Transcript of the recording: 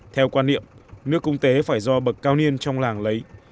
theo quan niệm nước công tế phải do bậc cao niên trong làng lấy